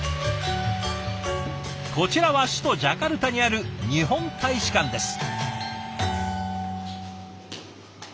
こちらは首都ジャカルタにある日本大使館です。